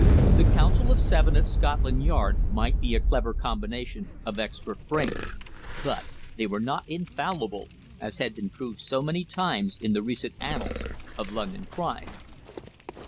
The Council of Seven at Scotland Yard might be a clever combination of expert brains, but they were not infallible, as had been proved so many times in the recent annals of London crime.